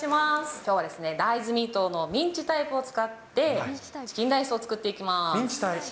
きょうはですね、大豆ミートのミンチタイプを使って、チキンライスを作っていきま